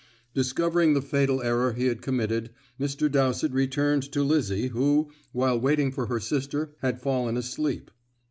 Discovering the fatal error he had committed, Mr. Dowsett returned to Lizzie, who, while waiting for her sister, had fallen asleep.